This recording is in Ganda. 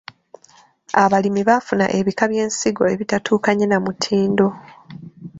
Abalimi bafuna ebika by'ensigo ebitatuukanye na mutindo.